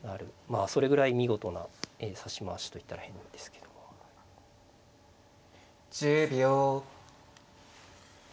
まあそれぐらい見事な指し回しと言ったら変ですけども。１０秒。